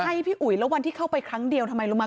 ใช่พี่อุ๋ยแล้ววันที่เข้าไปครั้งเดียวทำไมรู้ไหม